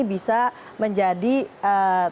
bisa menjadi penyakit yang berbeda